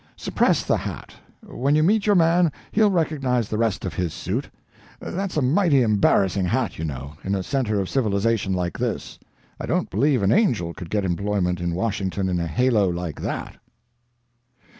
Suppress the hat. When you meet your man he'll recognize the rest of his suit. That's a mighty embarrassing hat, you know, in a centre of civilization like this. I don't believe an angel could get employment in Washington in a halo like that."